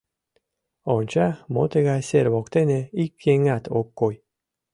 Онча, мо тыгай, сер воктене ик еҥат ок кой.